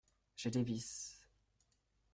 J’ai des vices…